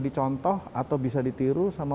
dicontoh atau bisa ditiru sama